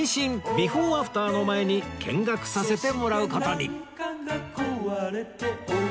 ビフォーアフターの前に見学させてもらう事に